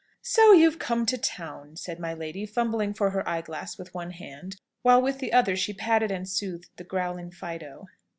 "So you've come to town," said my lady, fumbling for her eye glass with one hand, while with the other she patted and soothed the growling Fido.